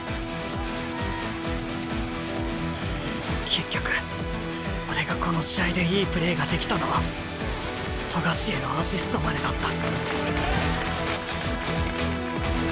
結局俺がこの試合でいいプレーができたのは冨樫へのアシストまでだった。